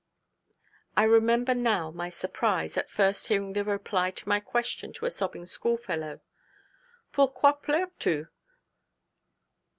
I remember now my surprise, at first hearing the reply to my question to a sobbing schoolfellow: '_Pourquoi pleures tu?